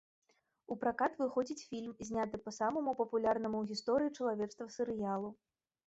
У пракат выходзіць фільм, зняты па самаму папулярнаму ў гісторыі чалавецтва серыялу.